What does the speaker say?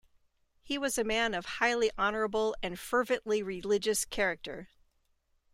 He was a man of highly honourable and fervently religious character.